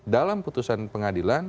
dalam putusan pengadilan